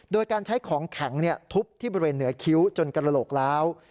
โดยการใช้ของแข็งทุบที่บริเวณเหนือคิ้วจนกระโหลกล้าว